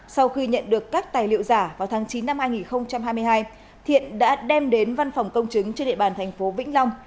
sau khi nhận được các tài liệu giả vào tháng chín năm hai nghìn hai mươi hai thiện đã đem đến văn phòng công chứng trên địa bàn thành phố vĩnh long